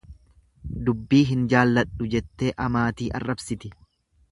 Dubbi hin jaalladhu jettee amaatii arrabsiti.